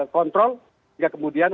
kontrol hingga kemudian